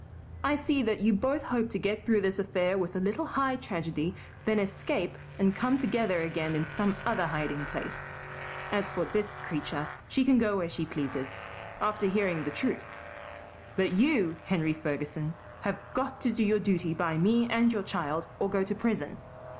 "I see that you both hope to get through this affair with a little high tragedy, then escape and come together again in some other hiding place. As for this creature, she can go where she pleases, after hearing the truth; but you, Henry Ferguson, have got to do your duty by me and your child or go to prison.